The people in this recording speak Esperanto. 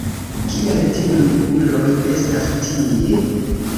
Kial tiuj uloj estas tie?